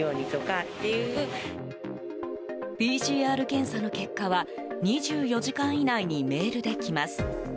ＰＣＲ検査の結果は２４時間以内にメールで来ます。